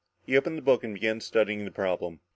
He opened the book and began studying the problem.